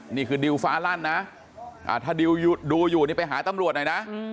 นี่คือดิวฟ้าลั่นนะถ้าดิวดูอยู่นี่ไปหาตำรวจหน่อยนะ